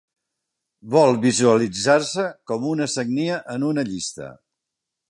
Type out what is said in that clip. Vol visualitzar-se com una sagnia en una llista.